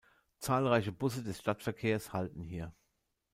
Zahlreiche Busse des Stadtverkehrs halten hier.